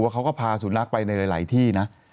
เขาก็พาสุนัขไปในหลายที่นะ